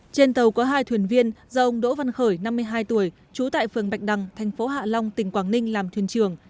trên tàu có hai thuyền viên do ông đỗ văn khởi năm mươi hai tuổi trú tại phường bạch đằng thành phố hạ long tỉnh quảng ninh làm thuyền trưởng